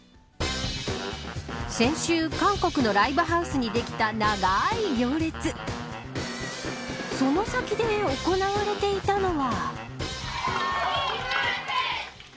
先週、韓国のライブハウスにできた長い行列をその先で行われていたのは。